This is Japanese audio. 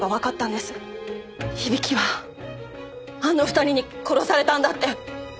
響はあの２人に殺されたんだって。